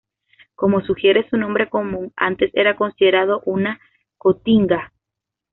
Como sugiere su nombre común, antes era considerado una cotinga.